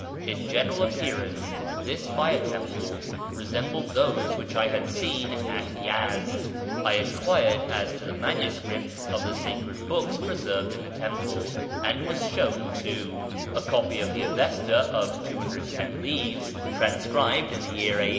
In Ljeneral appearance this fire teni])le resembled those wliich 1 liad seen at Yezd. I enquired as to the manuscripts of the sacred books preserved in the temple, and was shown two : a copy of the Avesta of 210 leaves, transcribed in the year A.